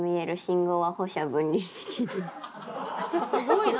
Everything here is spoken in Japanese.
すごいな。